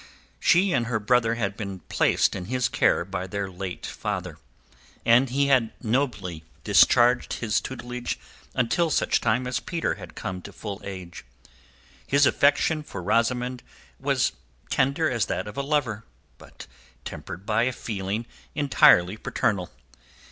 She and her brother had been placed in his care by their late father, and he had nobly discharged his tutelage until such time as Peter had come to full age. His affection for Rosamund was tender as that of a lover, but tempered by a feeling entirely paternal.